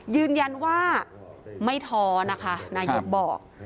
ยืนยันว่าไม่ท้อนะคะนายกบอก